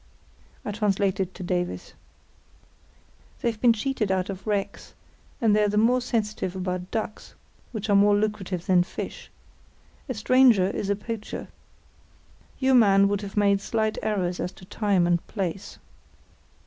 (I translated to Davies.) "They've been cheated out of wrecks, and they're all the more sensitive about ducks, which are more lucrative than fish. A stranger is a poacher. Your man would have made slight errors as to time and place."